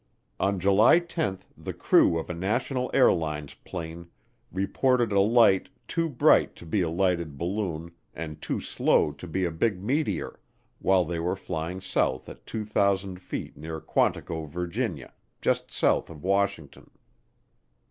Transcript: On July 10 the crew of a National Airlines plane reported a light "too bright to be a lighted balloon and too slow to be a big meteor" while they were flying south at 2,000 feet near Quantico, Virginia, just south of Washington.